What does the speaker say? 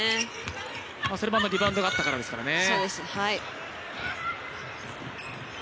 それもあのリバウンドがあったからですよね。